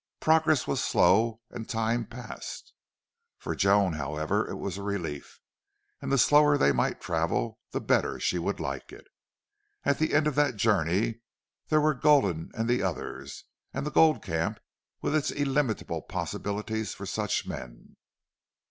Progress was slow and time passed. For Joan, however, it was a relief; and the slower they might travel the better she would like it. At the end of that journey there were Gulden and the others, and the gold camp with its illimitable possibilities for such men.